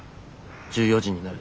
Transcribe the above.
１４時になる。